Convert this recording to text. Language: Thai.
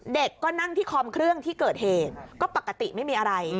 เด็กก็นั่งที่คอมเครื่องที่เกิดเหตุก็ปกติไม่มีอะไร